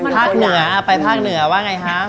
ภาคเหนือไปภาคเหนือว่ายังไงฮะ